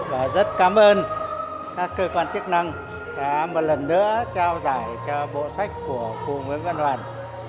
và rất cảm ơn các cơ quan chức năng đã một lần nữa trao giải cho bộ sách của cụ nguyễn văn đoàn